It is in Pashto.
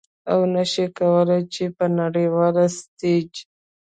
او نشي کولې چې په نړیوال ستیج